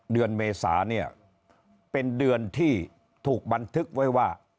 เดือนเมษาเนี่ยเป็นเดือนที่ถูกบันทึกไว้ว่า